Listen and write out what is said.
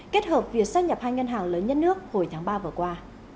kết hợp việc xác nhập hai ngân hàng lớn nhất nước hồi tháng ba vừa qua